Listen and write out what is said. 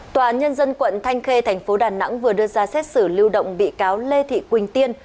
tòa án nhân dân quận thanh khê thành phố đà nẵng vừa đưa ra xét xử lưu động bị cáo lê thị quỳnh tiên